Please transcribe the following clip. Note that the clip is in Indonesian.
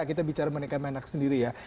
kita bicara menikah menak sendiri ya